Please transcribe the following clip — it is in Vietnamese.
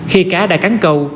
khi cá đã cắn cầu